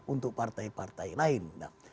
untuk partai partai lain